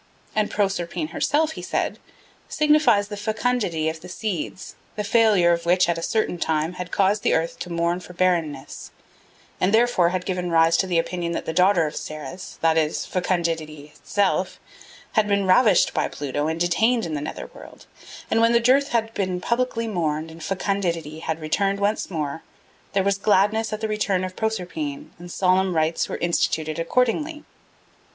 And Proserpine herself he said, signifies the fecundity of the seeds, the failure of which at a certain time had caused the earth to mourn for barrenness, and therefore had given rise to the opinion that the daughter of Ceres, that is, fecundity itself, had been ravished by Pluto and detained in the nether world; and when the dearth had been publicly mourned and fecundity had returned once more, there was gladness at the return of Proserpine and solemn rites were instituted accordingly.